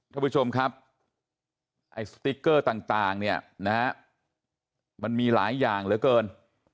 ท่านผู้ชมครับไอ้สติ๊กเกอร์ต่างเนี่ยนะฮะมันมีหลายอย่างเหลือเกิน